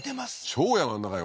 超山の中よ